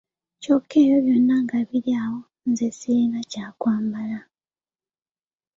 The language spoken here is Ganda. Kyokka ebyo byonna nga biri awo, nze sirina kyakwambala.